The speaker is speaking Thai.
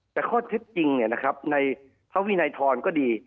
ในข้อเท็จจริงนะครับในภาวินายทรก็ดี